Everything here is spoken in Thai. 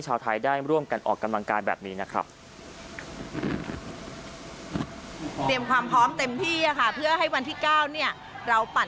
เชิญชวนคนที่เขาไม่ได้มีโอกาสมารับเสื้อกันแต่อยากจะปั่น